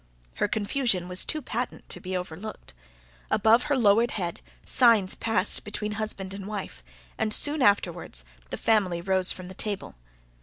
Her confusion was too patent to be overlooked. Above her lowered head, signs passed between husband and wife, and soon afterwards the family rose from the table.